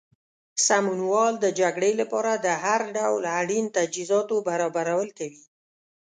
سمونوال د جګړې لپاره د هر ډول اړین تجهیزاتو برابرول کوي.